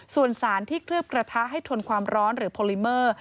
ส่วนสารที่เคลือบกระทะให้ทนความร้อนหรือโพลิเมอร์